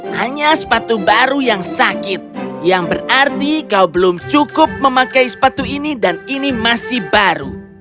hanya sepatu baru yang sakit yang berarti kau belum cukup memakai sepatu ini dan ini masih baru